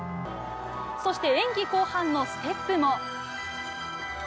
そして演技後半のステップも。